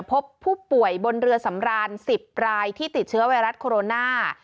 พบผู้ป่วยบนเรือสำราน๑๐รายที่ติดเชื้อไวรัสโคโรนา